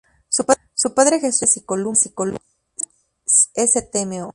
Padre Jesús de Azotes y Columna, Stmo.